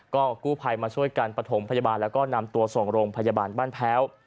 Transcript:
ก็กู้ภัยมาช่วยกันประถมพยาบาลแล้วก็นำตัวส่งโรงพยาบาลบ้านแพ้ว